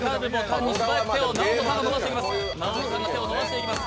ＮＡＯＴＯさんが手を伸ばしていきます。